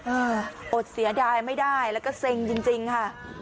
เออโอดเสียดายไม่ได้แล้วก็เซ็งจริงค่ะ